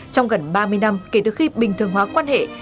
trong gần ba mươi năm kể từ khi bình thường hóa quan hệ